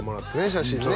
写真ね